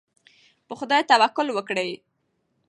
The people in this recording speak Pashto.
په خدای توکل وکړئ.